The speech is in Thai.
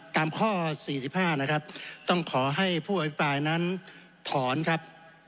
ตามข้อ๔๕นะครับต้องขอให้ผู้อภิปรายนั้นถอนครับ